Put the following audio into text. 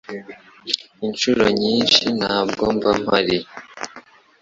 Incuro nyinshi ntabwo mba mpari